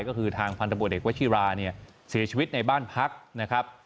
ก็คือทางพันธบทเอกวัชิราเนี่ยเสียชีวิตในบ้านพักนะครับ